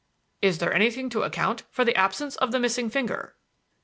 "Is there anything to account for the absence of the missing finger?"